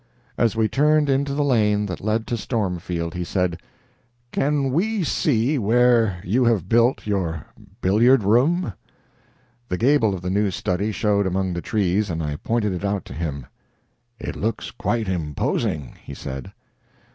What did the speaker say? As we turned into the lane that led to Stormfield he said: "Can we see where you have built your billiard room?" The gable of the new study showed among the trees, and I pointed it out to him. "It looks quite imposing," he said.